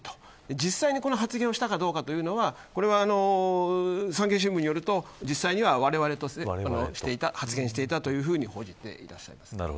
実際にこの発言をしたかどうかは産経新聞によると、実際にはわれわれと発言していたというふうに報じています。